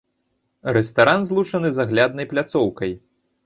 Рэстаран злучаны з агляднай пляцоўкай.